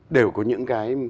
đều có những cái